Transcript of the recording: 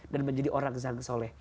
dan menjadi orang yang soleh